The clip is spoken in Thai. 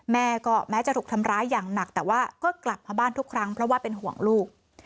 แม่ก็แม้จะถูกทำร้ายอย่างหนักแต่ว่าก็กลับมาบ้านทุกครั้งเพราะว่าเป็นห่วงลูก